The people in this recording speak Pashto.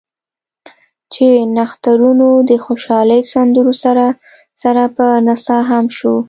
چې نښترونو د خوشالۍ سندرو سره سره پۀ نڅا هم شو ـ